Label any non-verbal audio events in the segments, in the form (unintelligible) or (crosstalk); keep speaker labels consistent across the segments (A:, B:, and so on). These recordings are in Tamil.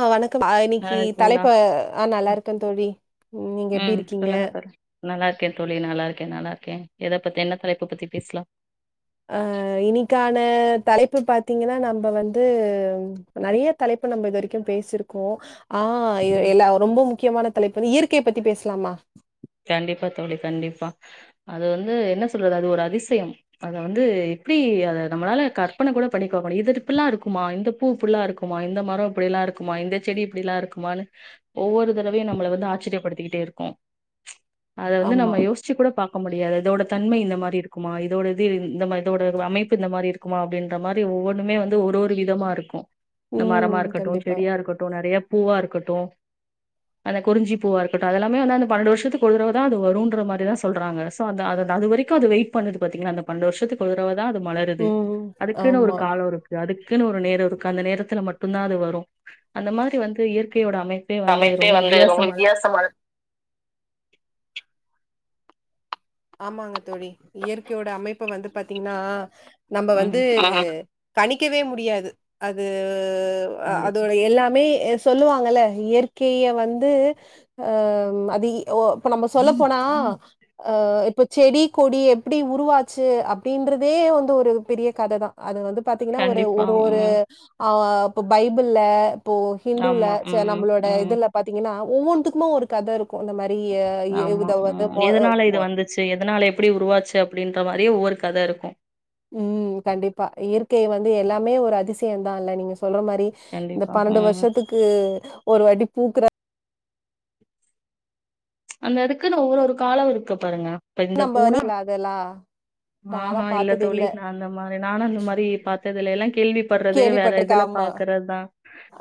A: ஆ வணக் கம் ஆ இன்னிக்கி
B: நல்லா இருக்கீங்களா
A: தலைப்பு ஆ நல்லா இருக்கன் தோழி நீங்க எப்டி இருக்கீங்க
B: நல்லாருக்கே தோழி நல்லாருக்கே நல்லாருக்கே எத பத்தி என்ன தலைப்பு பத்தி பேசுலா
A: ஆ இனிக்கான தலைப் பு பாத்தீங்கனா நம்ப வந்து நறைய தலைப்பு நம்ப இது வரி க்கியும் பேசிருக்கோ ஆ இ
B: ம்
A: எல்லா ரொம்பவு முக்கியமான தலைப்பு வந்து இயற்கைய பத்தி பேசுலாமா
B: கண்டிப்பா தோழி கண்டிப்பா அது வந்து என்ன சொல்றது அது ஒரு அதிசயம் அத வந்து இப்டி அத நம்மளால கற்பன கூடோ பண்ணி பாக்கணும் இது இது இப்பில்லா இருக்குமா இந்த பூ இப்டிலா இருக்குமா இந்த மரோ இப்டில்லா இருக்குமா இந்த செடி இப்டில்லா இருக்குமானு ஒவ்வொரு தடவையு நம்ள வந்து ஆச்சிரியப்படுத்திக்கிட்டே இருக்கும் அத வந்து
A: ஆமா.
B: நம்ம யோசிச்சு கூட பாக்க முடியாது இதோட தன்மை இந்த மாரி இருக் கும்மா இதோட இது இ இந்த மாரி இதோட உ அமைப்பு இந்த மாரி இருக் குமா அப்டின்ற மாரி ஒவ்வொன்னுமே வந்து ஒரு ஒரு விதமா இருக்கும் இந்த
A: ம்.
B: மரமாருக்கட்டும்
A: கண்டிப்பா.
B: செடியாருக்கட்டும் நறையப் பூவா இருக்கட்டும் அந்த குறிஞ்சி பூவா இருக்கட்டும் அதெல்லாமே வந்து அந்த பன்னெண்டு வருஷத் துக்கு ஒரு தடவ தா அது வருன்ற வ மாரி தா சொல்றாங்க சோ அந்த அது தா அது வரிக்கும் அது வெயிட் பண்ணுது பாத்தீங்ளா அந்த பன்டு வருஷத்கு ஒரு தடவ தா அது மலருது
A: ம்.
B: அதுக்குன்னு ஒரு
A: ஆமா.
B: காலோருக்கு அதுக் க்குனு ஒரு நேரோ இருக்கு அந்த நேரத்துல மட்டும் தா அது வரும் அந்த மாதிரி வந்து இயற்கையோடாப்
A: அமைப்பே வந்து ரொம்ப வித்தியாசமா ஆமாங்க தோழி இயற்கயோட அமைப்பு வந்து பாத்தீங்னா நம்ப வந்து
B: ம்
A: கணிக்கவே முடியாது அது அது அ
B: கண்டிப்பா
A: அதோட எல்லாமே எத் சொல்லுவாங்கல்ல இயற்கைய வந்து அ ம் அது இ ஓ இப்ப நம்ப சொல்ல போனா ஆ இப்ப செடி கொடி எப்டி உருவாச்சு அப்டின்றதே வந்து ஒரு பெரிய கத தா அத வந்துப் பாத்தீங்கனா ஒரு
B: கண்டிப்பா
A: ஒருஒரு
B: ம்
A: ஆ அப்பு பைபுள்ல இப்போ ஹின்டுல
B: ஆமா
A: சே
B: ம்
A: நம்மளோட
B: ம்
A: இதுல பாத்தீங்கன்னா ஒவ்வொன் இதுக்னே ஒரு கத இருக்கு அந்த மாரி
B: ஆமா
A: உதாவது
B: ம்
A: (unintelligible)
B: எதனால இது வந்துச்சு எதனால எப்டி உருவாச்சு அ அப்டீன்ற மாரி ஒவ்வொரு கத இருக்கு
A: உம் கண்டிப்பா இயற்கய வந்து எல்லாமே ஒரு அதிசய தா இல்ல நீங்க சொல்ற மாரி இந்த
B: கண்டிப்பா
A: பன்னெண்டு
B: ம்
A: வருஷத்துக்கு ஒரு வாட்டி தூக்குற
B: அந்த அதுக்குன்னு ஒரு ஒரு காலோ இருக்கு பாருங்க இப்ப இந்த
A: நம்ம
B: பூனா
A: விக்கலா அதெல்லா
B: ஆஹா இல்ல தோழி நா அந்த மாரி நானு அந்த மாரி பா துல எல்லா கேள்வி படுறது வேற இதுல
A: கேள்விப்பட்டுருக்கேன். ஆமா,
B: பாக்குறதுதா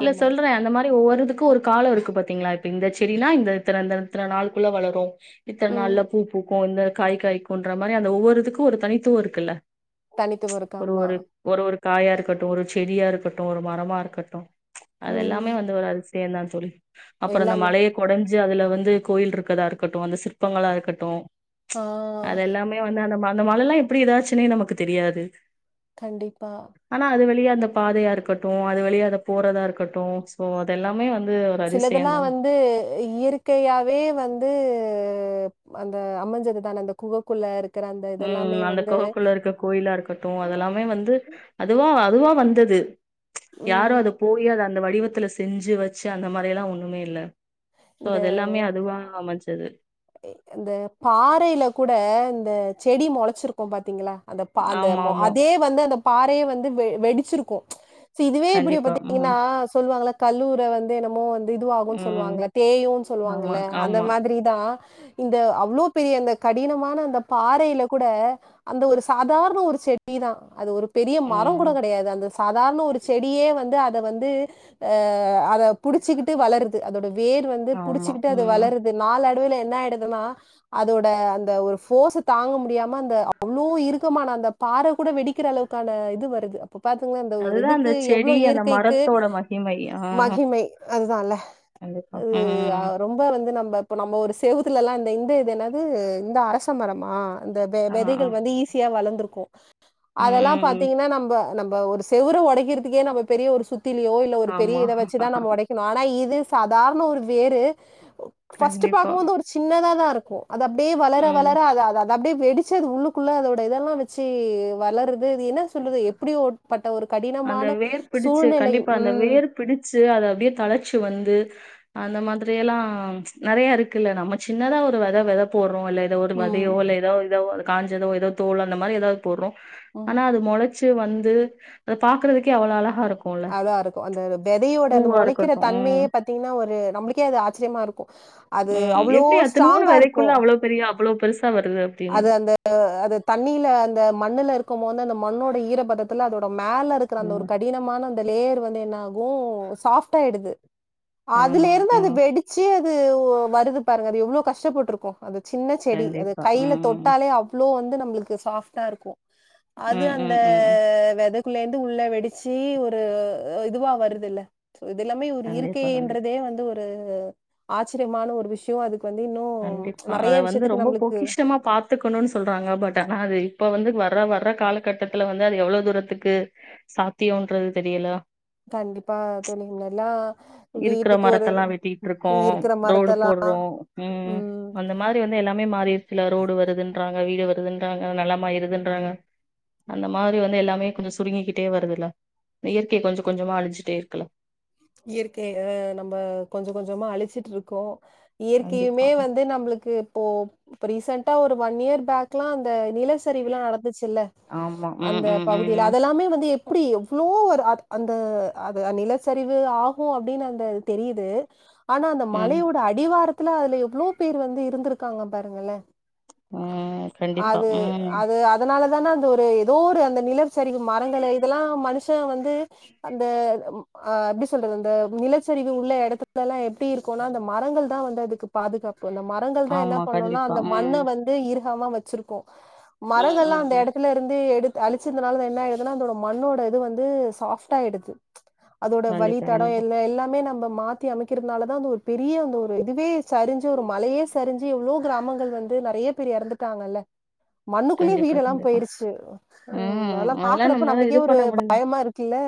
B: இல்ல
A: ஆமா.
B: சொல்றே அந்த மாதிரி ஒவ்வொருதுக்குக்கு ஒரு காலோ இருக்கு பாத்தீங்ளா இப்ப இந்த செடினா இந்தத்தன இத்தன நாள்குள்ள வளரு இத்தன
A: ம்.
B: நாள்ல பூ பூக்கு கொளுந்து காய் காய்க்குன்ற மாரி அந்த ஒவ்வொரு இதுக்கு ஒரு தனித்துவோ இருக்குல்ல
A: தனித்துவம் இருக்கு.
B: ஒரு
A: ஆமா.
B: ஒரு ஒரு ஒரு காயா இருக்கட்டு ஒரு செடியா இருக்கட்டு ஒரு மரமா இருக்கட்டு அது
A: ம்.
B: எல்லாமே வந்து வராது வேணாந் தோழி அப்ற இந்த
A: எல்லாமே.
B: மலய கொடஞ்சி அதுல வந்து கோயில் இருக்கதா இருக்கட்டு அந்த சிற்பங்களா இருக்கட்டு
A: ஆ.
B: அதெல்லாமே வந்து அந்த அந்த மல எல்லா எப்டி இதாச்சுன்னே நமக்கு தெரியாது
A: கண்டிப்பா
B: ஆனா அது அந்த பாதையா இருக்கட்டு அது வழியா அது போறதா இருக்கட்டு சோ அதெல்லாமே வந்து ஒரு அதிசயம்
A: சிலதெல்லாம்
B: தான.
A: வந்து இயற்கையாவே வந்து அ அந்த அமஞ்சதுதான அந்த குகக்குள்ள இருக்கு
B: உம் அந்த கொகுக்குள்ள இருக்க கோயிலா இருக்கட்டு அதெல்லாமே வந்து அதுவா அதுவா வந்தது யார்
A: ம்.
B: அத போயி அத அந்த வடிவத்துல செஞ்சி வச்சி அந்த மாரிலா ஒண்ணுமே இல்ல சோ
A: இந்த
B: அது எல்லாமே அதுவா அமைஞ்சது.
A: இந்த பாறையில கூட இந்த செடி மொளைச்சிருக்கோ பாத்தீங்களா அந்த பா அந்த
B: ஆமா, ஆமா.
A: அதே வந்து அந்த பாறைய வந்து வெ வெடிச்சிருக்கோ சி இதுவே இப்டி
B: கண்டிப்பா. ம்.
A: பாத்தீங்கன்னா சொல்லுவாங்களா கல்லூர வந்து என்னமோ வந் த இதுவாகும்
B: ம்.
A: சொல்லுவாங்கள தேயு சொல்லுவாங்க
B: ஆமா,
A: இல்ல அந்த
B: ஆமா.
A: மாதிரிதா இந்த அவ்ளோ பெரிய அந்த கடினமான அந்த பாறையில கூட அந்த ஒரு சாதாரண ஒரு செடி தா அது ஒரு பெரிய மரம்
B: ம்.
A: கூட கெடையாது அந்த சாதாரண ஒரு செடியே வந்து அ த வந்து ஆ அத புடிச்சிக்கிட்டு வளரு து அதோட வேர் வந்து
B: ஆமா.
A: புடிச்சிக்கிட்டு அது
B: ம்.
A: வளறது நால டுவுல என்ன ஆயிடுதுன்னா அதோட அந்த ஒரு ஃபோர்ஸ் தாங்க முடியாம அந்த அவ்ளோ இருக்கமான அந்த பாற கூட வெடிக்கிற அளவுக்கான இது வருது இப்ப பாத்துங்கனா இந்த ஒரு
B: அதுதான் அந்த
A: இதுக்கு
B: செடி,
A: எவ்ளோ
B: அந்த
A: இயற்கைக்கு
B: மரத்தோட மகிமை. ஆ.
A: மகிமை அதுதால்ல
B: கண்டிப்பா.
A: அது ஆ
B: ம்.
A: ரொம்ப வ ந்து நம்ப இப்ப நம்ம ஒரு செவுத்துலலா இந்த இந்த இது என்னாது இந்த அரச மரமா அந்த வெ
B: ஆ ஆ
A: வெதைகள் வந்து ஈஸியா வளர்ந்துருக்கோ
B: ம்
A: அதெல்லா
B: ம் ம்
A: பாத்தீங்கன்னா நம்ப நம் ம்ப ஒரு செவுரும் ஒடைக்கிறதுக்கே நம்ப பெரிய ஒரு சுத் திலியோ இல்ல ஒரு பெரிய
B: ஆமா
A: இத வச்சிதா நம்ம ஒடைக்கணு ஆனா இது சாதாரண ஒரு வேரு ஃபர்ஸ்ட்டு
B: கண்டிப்பா.
A: பாக்கும் போது ஒரு சின்னதா தா இருக் கோ அது அப்டே
B: ம்.
A: வளர-வளர அத-அத அப்டியே வெடிச்சது உள்ளுக்குள்ள அதோட இதெல்லா வச்சி வளருது து என்ன சொல்லுது எப்டியோ பட
B: அந்த வேர் பிடிச்சி கண்டிப்பா அந்த
A: ம்,
B: வேர் பிடிச்சி அத அப்டே தலச்சி வந்து அந்த மாதிரி எல்லா நெறைய இருக்குல்ல நம்ம சின்னதா ஒரு வித விதை போறோ ஓ இல்ல ஒரு மாரி ஓ
A: ம்,
B: காஞ்சதோ ஏதோ தோலோ அந்தமாரி ஏதாவ போடுறோம்
A: ம்.
B: ஆனா அது மொளைச் ச்சு வந்து அத பாக்கறதுக்கே அவ்ள அழகா இருக்கும்
A: அதா இருக்கும் அந்த விதையோட அந்த முளைக்கிற
B: இருக்கட்டும். ம்.
A: தன்மையே பாத்தீங்கன்னா ஒரு நம்மளுக்கே அது ஆச் ச்ம்மார்
B: உம் எப்படி அத்தணுக் வெரைக்குள்ள
A: இருக்கும்.
B: அவ்ளோ பெரிய அவ்ளோ பெருசா வருது அப்டின்னு.
A: அது அந்த அது தண்ணியில அந்த மண்ணுல இருக்கு இப்போ அந்த மண்ணோட ஈரபதத்தில அதோட மேல இருக்கிற அந்த ஒரு
B: ம்.
A: கடினமான அந்த லேயர் வந்து என்னாகும் சாஃப்ட் ஆயிடுது அதுல
B: ஆமா.
A: இருந்து அது
B: ம்.
A: வெடிச்சு ந்து வருது பாருங்க அது எவ்ளோ கஷ்டப்பட்டிருக்கும் அது சின்ன செடி அது
B: கண்டிப்பா.
A: கிலே
B: ம்.
A: தொட்டாலே அவ் இப்ப வந்து நம்மளுக்கு சாஃப்டா இருக்கும் அது
B: ம்.
A: அந்த
B: ம். ம்.
A: வெத க்குள்ள இருந்து உள்ள வெடிச்சு ஒரு இதுவா வருது இது எல்லாமே ஒரு இயற்கை
B: கண்டிப்பா கண்டிப்பா.
A: என்றதே வந்து ஒரு ம் ஆச்சரியமான ஒரு விஷயம் அதுக் வந்து இன்னும் நிறைய விஷயத்துக்கு நம்மளுக்
B: இஷ்டமா பாத்துக்கணும்னு சொல்றாங்க பட் ஆனா அது இப்ப வந்து வர்ற வர்ற காலகட்டத்துல வந்து அது எவ்ளவு தூரத்துக்கு சாத்தியம்ன்றது தெரியல
A: கண்டிப்பா தெலுங்குலல்லா
B: இருக்கிற மரத்தெல்லாம் வெட்டிட்டு இருக்கோம்
A: இருக்கிற
B: ரோடு
A: மரத்தெல்லா
B: போடுறோம் உம்
A: ம்
B: அந்த மாதிரி வந்து எல்லாமே மாறிடுச்சுல ரோடு வருதுன்றாங்க வீடு வருது நல்லமா இருதுன்றாங்க அந்த மாதிரி வந்து எல்லாமே கொஞ்சம் சுருங்கிக்கிட்டே வருதுல்ல இயற்கைய கொஞ்சம் கொஞ்சமா அழிஞ்சுட்டே இருக்கல
A: இயற்கை ஆஹ் நம்ம கொஞ்சம் கொஞ்சமா அழிச்சிட்டு இருக்கோம்
B: கண்டிப்பா.
A: இயற்கையுமே வந்து நம்மளுக்கு இப்போ ரீசன்டா ஒரு ஒன் இயர் பேக்லாம் அந்த நிலசரிவெல்லாம் நடந்துச்சுல்ல
B: ஆமா. ம்,
A: அந்த
B: ம், ம்,
A: பகுதியில
B: ம்.
A: அதெல்லாமே வந்து அப்படி எவ்ளோ ஒரு அது அந்த அந்த நிலசரி இது ஆகும் அப்படின்னு அந்த தெரியுது ஆனா அந்த
B: ம்.
A: மழையோட அடிவாரத்த க்கா அதுல எவ்வளோ பேர் வந்து இருந்திருக்காங்க பாருங்களே
B: ம். கண்டிப்பா.
A: அது
B: ம்.
A: அது அதனால இதான அந்த ஒரு ஏதோ ஒரு அந்த நிலவு சரி மரங்கள இதெல்லா மனுஷ வந்து அந்த அஹ எப்படி சொல்றது அந்த நிலச்சரிவு உள்ள இடத்துல எல்லா எப்பிடி இருக்கும்னா அந்த மரங்கள் தா வந்து அதுக்கு பாதுகாப்பு இந்த மரங்கள் தா என்ன
B: ஆமா.
A: பண்ணும்னா
B: கண்டிப்பா.
A: அந்த மண்ண
B: ம்.
A: வந்து இரு பக்கமா வச்சிருப்போ
B: ம்,
A: மரங்கள் எல்லா
B: ம்,
A: அந்த
B: ம்.
A: இடத்துல இருந்து எடுத்து அழிச்சிருந்தனால என்ன ஆயிடுதுன்னா அதோட மண்ணோட இது வந்து சாஃப்ட ஆயிடுது அதோட
B: கண்டிப்பா
A: வழித்தட
B: கண்டிப்பா.
A: எல்ல எல்லாமே நம்ம மாத்தி அமைக்கிறதுனாலதா அந்து ஒரு பெரிய அந்த ஒரு இதுவே சரிஞ்சு ஒரு மலையே சரிஞ்சு எவ்ளோ கிராமங்கள் வந்து நிறைய பேர் இறந்துட்டாங்கல்ல மண்ணுக்குள்ளேயே
B: கண்டிப்பா
A: வீடெல்லா
B: கண்டிப்பா.
A: போயிருச்சு உம்
B: ம்.
A: அதெல்லா
B: அதெல்லாம்
A: பாக்குறப்ப
B: நம்மளால
A: நம்மளுக்கே
B: இது
A: ஒரு
B: பண்ண முடியும்.
A: பயமா இருக்குல்ல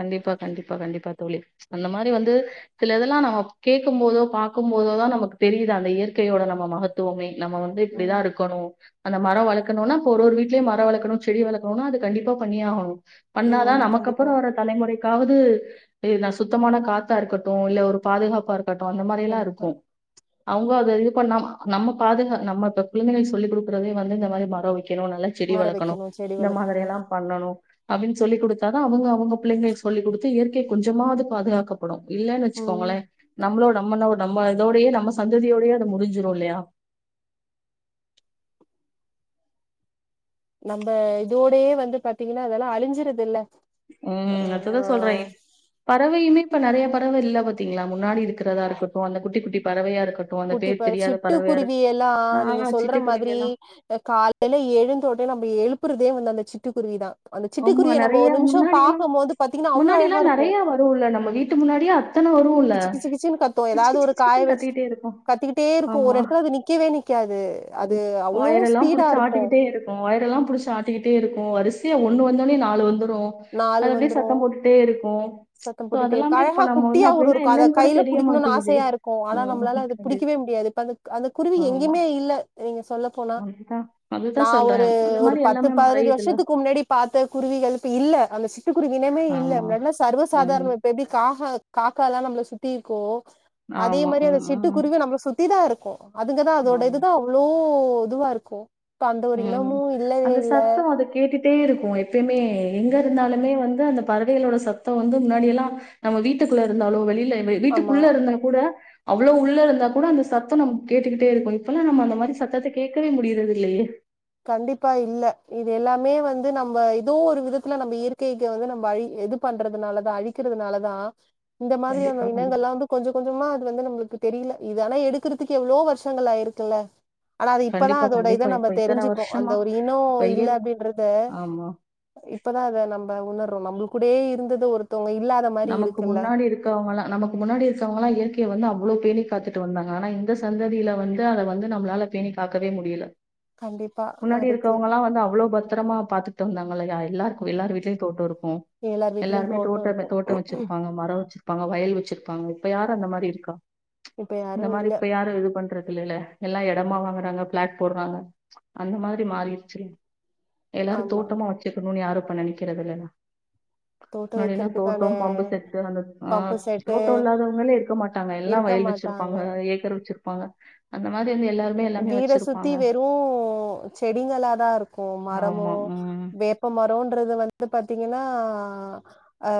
B: கண்டிப்பா கண்டிப்பா கண்டிப்பா தோழி அந்த மாரி வந்து சில இதெல்லா நம்ம கேட்கு போதோ பார்க்கு போதோதா நமக்கு தெரியுது அந்த இயற்கையோட நம்ம மகத்துவமே நம்ம வந்து இப்படிதா
A: ம்
B: இருக்கணு அந்த மர வளகணுனா ஒரோரு வீட்டிலேயே மர வளர்க்கணு செடி வளர்க்கணும்னா அது கண்டிப்பா பண்ணி ஆகுனு பண்ணாதா
A: ம்
B: நமக்கு அப்புற
A: கண்டிப்பா
B: அவர தலைமுறைக்காவது நா சுத்தமான காத்தா இருக்கட்டு இல்ல ஒரு பாதுகாப்பா இருக்கு கட்டு அந்த மாரி எல்லா
A: கண்டிப்பா
B: இருக்கு அவுங்க அது இது பண்ணாம நம்ம பாதுகா நம்ம இப்ப குழந்தைகளுக்கு சொல்லிக் கொடுக்கறதே வந்து இந்த மாரி மர வைக்கணு நல்லா செடி
A: மர
B: வளர்க்கணு
A: வைக்கணு செடி
B: இந்த
A: வளக்கணு
B: மாதிரி எல்லா பண்ணணு அப்பிடின்னு சொல்லி் கொடுத்தாதா அவுங்க அவுங்க பிள்ளைங்களு சொல்லிகொடுத்து இயற்கை கொஞ்சமாவது பாதுகாக்கப்படு இல்லன்னு
A: ம்
B: வச்சுக்கோங்களே நம்மளோட (unintelligible) நம்ம இதோடைய நம்ம சந்ததியோடைய முடிஞ்சிடு இல்லையா
A: நம்ப இதோடே வந்து பாத்தீங்கன்னா அதெல்லா அழிஞ்சிறுது இல்ல ஆ
B: உம் அததுதா சொல்றே பறவையுமே இப்ப நறைய பறவ இல்ல பாத்தீங்களா முன்னாடி இருக்கிறதா இருக்கட்டு அந்த குட்டிட்டி பறவையா இரு இருக்கட்டு அந்த பேர்
A: குட்டிப்ப
B: தெரியாத பறவையா
A: சிட்டுக்குருவி எல்லா
B: ஆ
A: நீங்க சொல்ற
B: சிட்டுக்குருவி
A: மாதிரி
B: எல்லா
A: காலையில எழுந்தோடன நம்ம எழுப் அதே வ அந்த சிட்டுக்குருவிதா
B: ஆமா நறைய முன்னாடி எல்லா
A: போது பாத்தீங்கன்னா அவ்ளோ
B: முன்னாடி எல்லா
A: அழகா இருக்கு
B: நறைய வரும் இல்ல நம்ம வீட்டு முன்னாடியே அத்தன வரும் இல்ல
A: கிச்சு
B: கிச்ச கிச்சன்னு கத்துிட்டே
A: கத்துக்கிட்டே இருக்கும் ஒரு இடத்துல அது நிக்கவே நிக்காது அது அவ்ளோ
B: ஒயர் எல்லாம்
A: ஸ்பீடா
B: புடிச்சு
A: இருக்கும்.
B: ஆட்டிட்டே இருக்கும் ஒயர எல்லாம் புடிச்சு ஆட்டிக்கிட்டே இருக்கும் வரிசை ஒ வந்தோனே நாலு வந்தும்
A: நாலு வந்துரும் சத்தம்
B: சோ
A: போட்டிட்டே இருக்கு
B: அதெல்லாமே இப்ப
A: அழகா
B: நம்ம வந்து
A: குட்டியா ஊரு
B: அப்டின்னா
A: இருக்கும் அதை
B: என்னன்னு கூட
A: கையில
B: தெரிய
A: புடிக்கணும்னு
B: மாட்டேங்குதே
A: ஆசையா இருக்கும் ஆனா நம்மளால
B: ம்
A: அது
B: கண்டி
A: புடிக்கவே முடியாது இப்ப அந்த அந்த குருவி
B: ஆமா
A: எங்கயுமே இல்ல நீங்க சொல்ல போனா
B: அதுதா அதுதா
A: நான்
B: சொல்றே
A: ஒரு
B: அந்த
A: ஒரு
B: மாரி
A: பத்து
B: எல்லாமே
A: பதினஞ்சு
B: மறையுதுல
A: வருஷத்துக்கு முன்னாடி பார்த்த குருவிகள் இல்ல அந்த சிக்கி குடுங்க இனமே
B: ஆமா
A: இல்லை
B: ம்
A: சர்வசாதாரணப்ப காக காக்க அக்காம் நம்மளை சுத்தி இருக்கோம் அதே
B: ஆமா
A: மாதிரி அந்த
B: ம் ம்
A: சிட்டுக்குருவி நம்மளை சுத்தி த இருக்க அதுங்கதான் அதோட
B: ஆமா
A: இதுதான் அவ்வளோ பொதுவா இருக்கும் இப்ப அந்த ஒரு
B: ம்.
A: இனமும் இல்லவே
B: அந்த
A: இல்ல
B: சத்தம் அது கேட்டுட்டே இருக்கும் எப்பயுமே எங்க இருந்தாலுமே வந்து அந்த பறவைகளோட சத்தம் வந்து முன்னாடியெல்லாம் நம்ம வீட்டுக்குள்ள இருந்தாலோ வெளியில
A: ஆமா.
B: வீட்டுக்குள்ள இருந்தா கூட அவ்வளவு உள்ள இருந்தா கூட அந்த சத்தம் நம்ம கேட்டுக்கிட்டே இருக்கும் ல்ல நம அந்த மாதி
A: ம்.
B: சத்தத்துக்கு க்கவே முடியிறது இல்லையே
A: கண்டிப்பா இல்ல. இது எல்லாமே வந்து நம்ப எதோ ஒரு விதத்துல நம்ம இயற்கைக்கு வந்து நம்ப அழி இது பண்றதுனாலதா அழிக்கிறதுனாலதா இந்த மாதிரியான
B: கண்டிப்பா, கண்டிப்பா.
A: இனங்கெல்லா வந்து கொஞ்ச கொஞ்சமா வந்து நம்மளுக்கு தெரியல. இது ஆனா எடுக்கறதுக்கு எவ்ளோ வருஷங்கள் ஆயிருக்கில்ல ஆனா அது இப்பதா
B: கண்டிப்பா,
A: அதோட இத
B: கண்டிப்பா.
A: நம்ப
B: இப்ப இத்தன
A: தெரிஞ்சுக்குறோ அந்த
B: வருஷமா
A: ஒரு இனோ
B: இப்ப
A: இல்ல
B: இயற்
A: அப்டின்றத
B: ஆமா.
A: இப்பதா அத ந ம்ப உணர்றோ நம்முள் கூடயே இருந்தது ஒரு
B: நமக்கு முன்னாடி இருக்கவங்கல்லா நமக்கு முன்னாடி இருக்கவங்கல்லா இயற்கைய வந்து அவ்ளோ பேணி காத்துட்டு வந்தாங்க. ஆனா இந்த சந்ததியில வந்து அத வந்து நம்மளால பேணி காக்கவே முடியல.
A: கண்டிப்பா
B: முன்னாடி
A: அதுக்கு
B: இருக்கவங்கல்லா வந்து அவ்ளோ பத்தரமா பாத்துட்டு வந்தாங்க இல்லையா எல்லாருக்கு
A: ம்.
B: எல்லாரு வீட்லயு தோட்டோ இருக்கு
A: எல்லார் வீட்லயும்
B: எல்லாருமே
A: தோட்டம்
B: தோட்டத்த
A: இருக்கும்.
B: தோட் வெச்சிருப்பாங்க மரோ வச்சிருப்பாங்க வயல் வச்சிருப்பாங்க இப்ப யாரு அந்த மாரி இருக்கா?
A: இப்ப
B: இந்த
A: யாரும்
B: மாரி
A: இல்ல.
B: இப்ப யாரு இது பண்றது இல்லைல்ல எல்லா எடமா வாங்கறாங்க பிளாட் போடறாங்க அந்த மாதிரி மாறிருச்சு எல்லாரு
A: ஆமா.
B: தோட்டமா வச்சிருக்கணுன்னு யாரு இப்ப நெனைக்கிறது இல்லைலா
A: தோட்டோ வைக்கிறதுக்கா
B: டோ பம்பு செட்டு அந்த ஆ தோட்டோ இல்லாதவங்களே இருக்க மாட்டாங்க எல்லா
A: இருக்க
B: வயல்
A: மாட்டாங்க
B: வச்சிருப்பாங்க ஏக்கர் வச்சிரு ப்பாங்க அந்த மாரி
A: ம் வீட சுத்தி வெறூ செடிங்களாதா இருக்கு மரமோ
B: ஆமா உம்
A: வேப்ப மரோன்றது வந்து பாத் தீங்கன்னா ஆ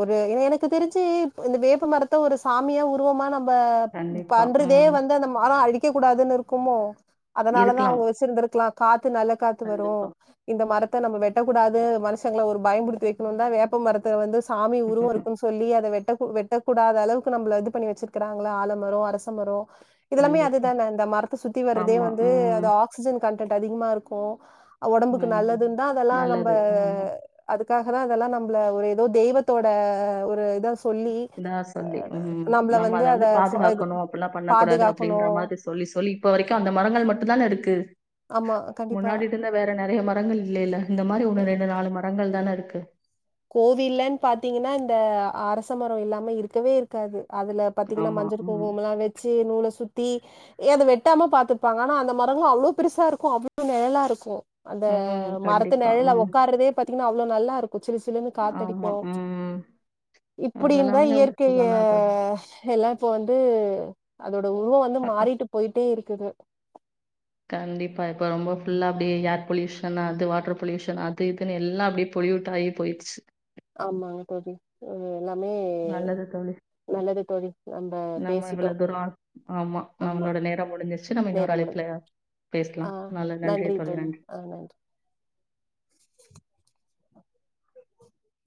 A: ஒரு எ எனக்கு தெரிஞ்சு இந்த வேப்பமரத்தை ஒரு சாமியா உருவமா நம் ம ம்
B: கண்டிப்பா
A: பண்றதே
B: உம்
A: வந்து அந்த மரோ அழி க்கக்கூடாதுன்னு இரு க்குமோ அதனாலதா
B: இருக்கலாம்
A: அவுங்க வச்சிருந்திருக்கலா காத் து நல்ல காத்து வரு
B: கண்டிப்பா
A: இந்த மரத்த நம்ம வெ ட்டக்கூடாது மனுஷங்கள ஒரு பயம்புடுத்தி வைக்கணுன்தா வேப்ப மரத்த வந்து சாமி உருவோ இருக்குன்னு சொல்லி அத வெட் டக்கூ வெட்டக்கூடாத அளவுக்கு நம்பள இது பண்ணி வச்சிருக்கிறாங்கல்ல ஆலமரோ அரசமரோ இதெல்லாமே
B: கண்டிப்பா
A: அதுதான அந்த மர த்த சுத்தி வரதே
B: ஆமா
A: வந்து அது
B: ம்
A: ஆக்சிஜன் கன் டென்ட் அதிகமா இருக்கு அ ஒடம்புக்கு
B: ம்
A: நல்லதுன்தா அதெல்லா நம்ப
B: நல்லது ஆமா
A: அது க்காகதா அதெல்லா நம்பள ஒரு எதோ தெய்வத்தோட ஒரு இதா சொல்லி
B: இதா சொல்லி ம் நம்ம அத வந்து பாதுகாக்கணு அப்டிலா பண்ணக்கூடாது
A: பாதுகாக்கணு
B: அப்டின்ற மாரி சொல்லி சொல்லி இப்ப வரைக்கு அந்த மரங்கள் மட்டுந்தான இருக்கு
A: ஆமா கண்டிப்பா
B: முன்னாடி இருந்த வேற நெறைய ம ரங்கள் இல்லையல்ல இந்த மாரி ஒரு ரெண்டு நாலு மரங்கள் தான இருக்கு
A: கோவில்லன்னு பாத்தீங்கன்னா இந்த அரச மரோ இல்லாம இருக்கவே இருக்காது அதுல பாத்தீங்கன்னா
B: ஆமா
A: மஞ்சள்
B: ம்
A: குங்குமோ எல்லா வெச்சு நூல சு த்தி ஏ அதை வெட்டாம பாத்துப்பாங்க. ஆனா அந்த மரங்களு அவ்ளோ பெருசா இருக்கு அவ்ளோ நெழலா இருக்கு அந்த
B: ம்
A: மரத்து
B: கண்டிப்பா
A: நெழல்ல
B: ம்
A: உக்கார்றதே பாத் த்தீங்கனா அவ்ளோ நல்லா இருக்கு சிலுசிலுன்னு
B: ஆமா
A: காத்தடிக்கு
B: ம்
A: இப்பிட இருந்தா
B: அதெல்லாமே ஒரு
A: இயற்கைய
B: சுகந்தா தோழி
A: எல்லா இப்போ வந்து அதோ ந்த உருவோ வந்து மாறிட்டு போயிட்டே இரு க்குது
B: கண்டிப்பா இப்ப ரொம்ப ஃபுல்லா அப்டியே ஏர் பொல்யூஷன் அது வாட்டர் பொல்யூஷன் அது இதுன்னு எல்லா அப்டியே பொல்யூட் ஆகி போயிருச்சு
A: ஆமாங்க தோழி ஆ
B: நல்லது தோழி.
A: தோழி நம்ம
B: நம்ம இவ்ள
A: பேசிட்டோ
B: தூரோ ஆமா நம்மளோட நேரோ முடிஞ்சிருச்சு நம்ம இன்னொரு
A: நேரம்
B: அழைப்புல
A: முடிஞ்
B: பேசலா
A: ஆ
B: நல்ல நன்றி தோழி நன்றி.